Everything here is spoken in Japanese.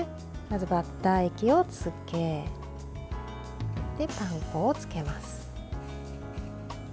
まずバッター液をつけてパン粉をつけます。